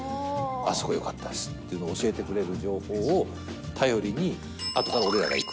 あそこよかったですって教えてくれる情報を頼りに、あとから俺らが行く。